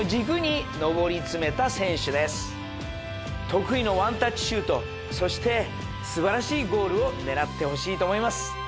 得意のワンタッチシュートそして素晴らしいゴールを狙ってほしいと思います。